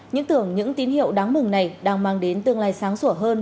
những tưởng những tín hiệu đáng mừng này đang mang đến tương lai sáng sủa hơn